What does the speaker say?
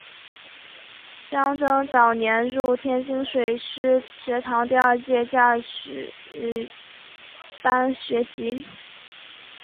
蒋拯早年入天津水师学堂第二届驾驶班学习。